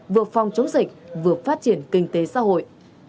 vượt phòng chống dịch vượt phát triển kinh tế xã hội